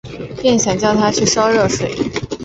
便想叫她去烧热水